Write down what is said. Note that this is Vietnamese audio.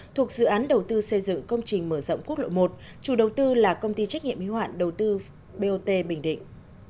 thuộc dự án đầu tư xây dựng công trình mở rộng quốc lộ một chủ đầu tư là công ty trách nhiệm y hoạn đầu tư bot bình định